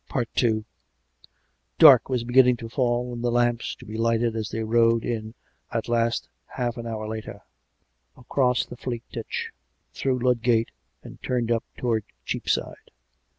II Dark was beginning to fall and the lamps to be lighted as they rode in at last half an hour later, across the Fleet Ditch, through Ludgate and turned up towards Cheapside.